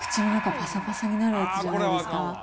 ぱさぱさになるやつじゃないですか。